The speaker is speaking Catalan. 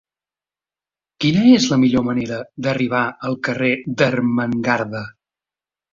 Quina és la millor manera d'arribar al carrer d'Ermengarda?